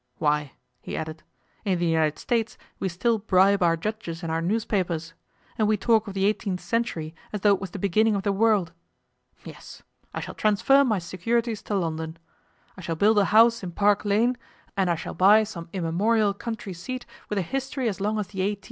Why,' he added, 'in the United States we still bribe our judges and our newspapers. And we talk of the eighteenth century as though it was the beginning of the world. Yes, I shall transfer my securities to London. I shall build a house in Park Lane, and I shall buy some immemorial country seat with a history as long as the A. T.